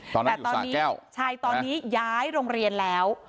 ตอนนั้นอยู่สระแก้วใช่ตอนนี้ย้ายโรงเรียนแล้ว